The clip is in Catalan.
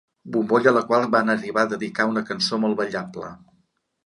Bombolla a la qual van arribar a dedicar una cançó molt ballable.